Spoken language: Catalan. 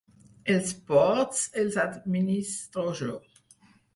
Els ports els administro jo.